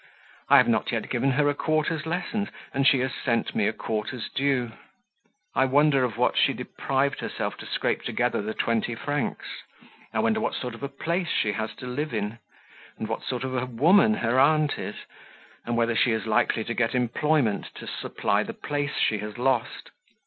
I have not yet given her a quarter's lessons, and she has sent me a quarter's due. I wonder of what she deprived herself to scrape together the twenty francs I wonder what sort of a place she has to live in, and what sort of a woman her aunt is, and whether she is likely to get employment to supply the place she has lost.